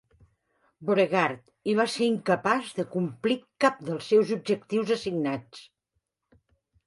Beauregard, i va ser incapaç de complir cap dels seus objectius assignats.